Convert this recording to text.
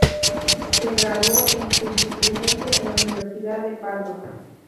Se graduó en Jurisprudencia en la Universidad de Padua.